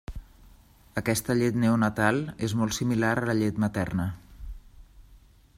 Aquesta llet neonatal és molt similar a la llet materna.